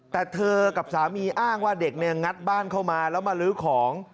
แต่เธอกับสามีอ้างว่าเด็กเนี่ยงัดบ้านเข้ามาแล้วมาลื้อของ